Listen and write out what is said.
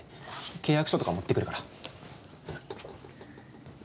契約書とか持ってくるから。